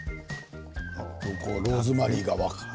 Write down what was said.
ローズマリーだ。